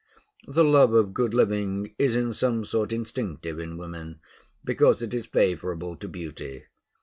The love of good living is in some sort instinctive in women, because it is favorable to beauty.